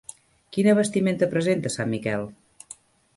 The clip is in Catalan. Quina vestimenta presenta Sant Miquel?